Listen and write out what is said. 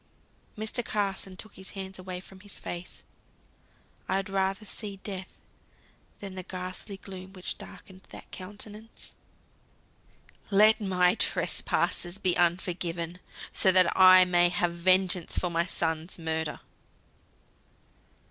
Mr. Carson took his hands away from his face. I would rather see death than the ghastly gloom which darkened that countenance. "Let my trespasses be unforgiven, so that I may have vengeance for my son's murder."